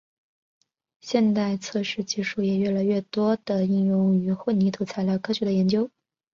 现代测试技术也越来越多地应用于混凝土材料科学的研究。